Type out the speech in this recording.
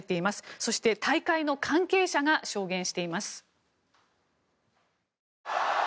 そして、大会の関係者が証言しています。